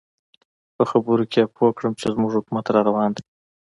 په خبرو کې یې پوه کړم چې زموږ حکومت را روان دی.